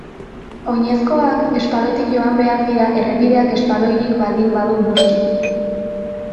Oinezkoak espaloitik joan behar dira errepideak espaloirik baldin badu noski.